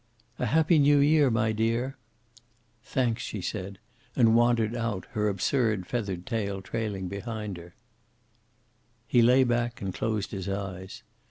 "A happy New year, my dear." "Thanks," she said, and wandered out, her absurd feathered tail trailing behind her. He lay back and closed his eyes.